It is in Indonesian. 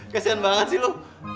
kesian banget sih lo